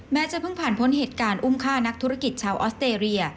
จะเพิ่งผ่านพ้นเหตุการณ์อุ้มฆ่านักธุรกิจชาวออสเตรเลีย